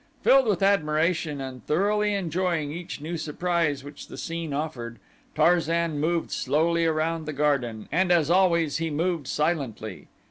Filled with admiration and thoroughly enjoying each new surprise which the scene offered, Tarzan moved slowly around the garden, and as always he moved silently.